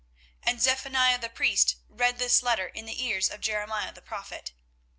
24:029:029 And Zephaniah the priest read this letter in the ears of Jeremiah the prophet.